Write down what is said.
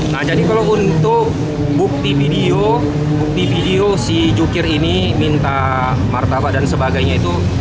nah jadi kalau untuk bukti video bukti video si jukir ini minta martabak dan sebagainya itu